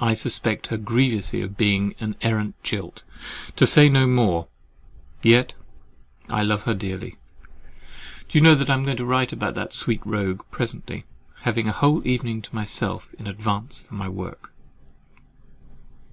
I suspect her grievously of being an arrant jilt, to say no more—yet I love her dearly. Do you know I'm going to write to that sweet rogue presently, having a whole evening to myself in advance of my work?